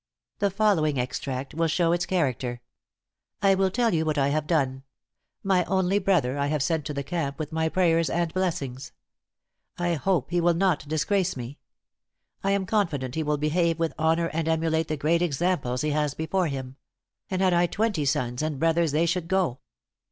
The following extract will show its character: "I will tell you what I have done. My only brother I have sent to the camp with my prayers and blessings. I hope he will not disgrace me; I am confident he will behave with honor and emulate the great examples he has before him; and had I twenty sons and brothers they should go.